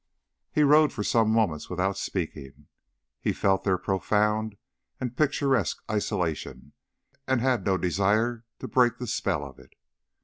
He rowed for some moments without speaking. He felt their profound and picturesque isolation, and had no desire to break the spell of it.